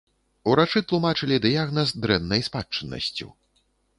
Урачы тлумачылі дыягназ дрэннай спадчыннасцю.